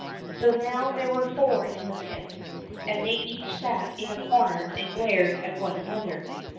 So now there were four in the pit, and they each sat in a corner and glared at one another.